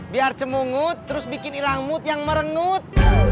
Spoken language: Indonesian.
biar semungut terus bikin ilang mut yang merengut